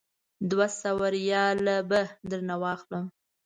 دوه سوه ریاله به درنه واخلم.